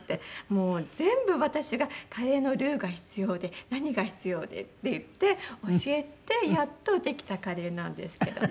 もう全部私が「カレーのルーが必要で何が必要で」って言って教えてやっとできたカレーなんですけどね。